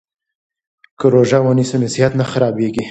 که روژه ونیسو نو صحت نه خرابیږي.